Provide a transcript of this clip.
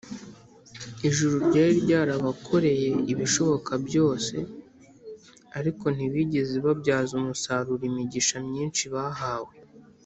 ijuru ryari ryarabakoreye ibishoboka byose, ariko ntibigeze babyaza umusaruro imigisha myinshi bahawe